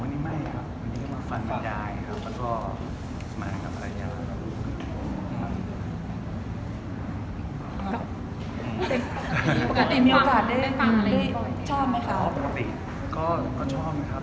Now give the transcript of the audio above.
อ๋อวันนี้ไม่ครับวันนี้เป็นฟันตะใหญ่ครับ